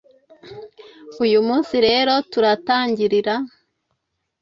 Uyu munsi rero turatangirira